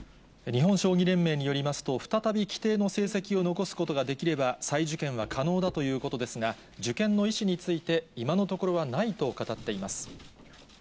日本将棋連盟によりますと、再び規定の成績を残すことできれば、再受験は可能だということですが、受験の意思について、今のところはないと語っています。